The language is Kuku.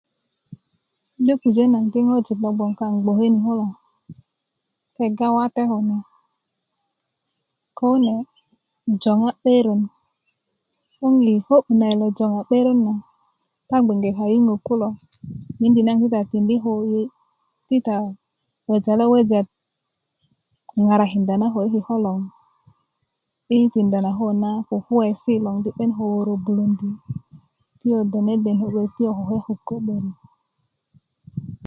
do pujö naŋ di ŋwajik lo bgwoŋ kaŋ i bgwoke ni kulo kega wate kune ko kune joŋa 'beron 'boŋ i ko'yu na i na joŋa 'beron na ta bgenge kayuŋö kulo miindi naŋ ti ta tindi ko kulo yi ti ta wejale weja ŋarakinda na ko yi kiko' loŋ lo na ko na kukuwesi naŋ di 'ben koko wöwörö a bulondi ti ko deneden kulya ti ko kukeku ko 'börik